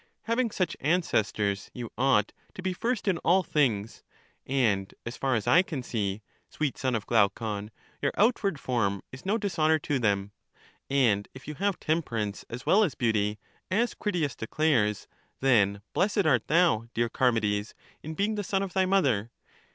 Having such ancestors you ought to be first in all things, and as far as I can see, sweet son of Glaucon, your outward form is no dis honor to them. And if you have temperance as well 14 CHARMIDES as beauty, as Critias declares, then blessed art thou, dear Charmides, in being the son of thy mother.